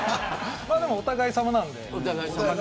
でもお互いさまなんで。